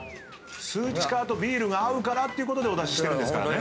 スーチカーとビールが合うからってことでお出ししてるんですからね。